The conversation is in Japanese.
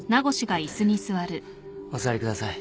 お座りください。